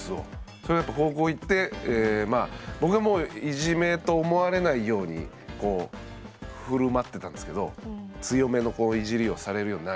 それがやっぱ高校行って僕がもういじめと思われないようにこう振る舞ってたんですけど強めのイジりをされるようになり。